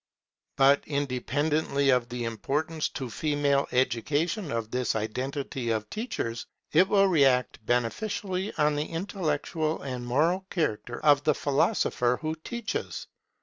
But independently of the importance to female education of this identity of teachers, it will react beneficially on the intellectual and moral character of the philosopher who teaches.